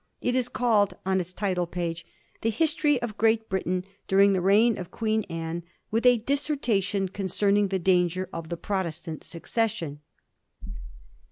It is called on its title page, *The History of Great Britain during the Reign of Queen Anne, with a Dissertation concern ing the Danger of the Protestant Succession.'